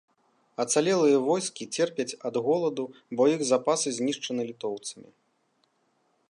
Ацалелыя войскі церпяць ад голаду, бо іх запасы знішчаны літоўцамі.